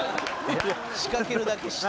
「仕掛けるだけ仕掛けて」